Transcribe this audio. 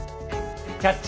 「キャッチ！